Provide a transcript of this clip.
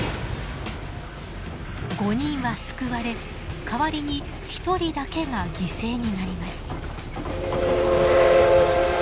５人は救われ代わりに１人だけが犠牲になります。